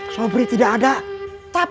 sobri tidak ada